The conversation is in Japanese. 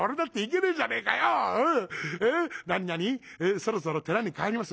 『そろそろ寺に帰ります』？